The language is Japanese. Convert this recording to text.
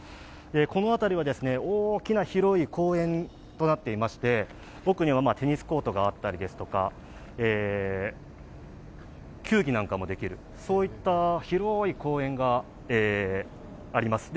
この辺りは大きな広い公園となっていまして、奥にはテニスコートがあったりとか球技なんかもできる広い公園があります。